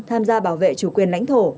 tham gia bảo vệ chủ quyền lãnh thổ